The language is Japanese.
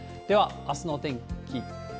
ではあすのお天気。